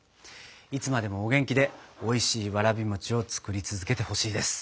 いつまでもお元気でおいしいわらび餅を作り続けてほしいです。